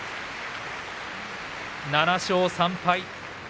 ７勝３敗。